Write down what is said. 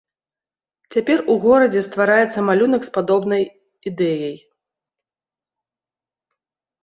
Цяпер у горадзе ствараецца малюнак з падобнай ідэяй.